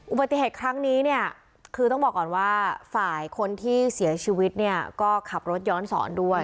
อุบัติเหตุครั้งนี้เนี่ยคือต้องบอกก่อนว่าฝ่ายคนที่เสียชีวิตเนี่ยก็ขับรถย้อนสอนด้วย